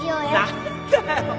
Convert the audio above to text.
何だよ